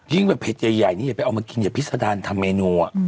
แบบเผ็ดใหญ่นี่อย่าไปเอามากินอย่าพิษดารทำเมนู